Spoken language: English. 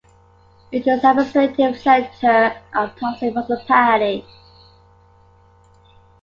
It is the administrative centre of Talsi Municipality.